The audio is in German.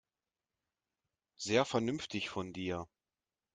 Sehr vernünftig von dir.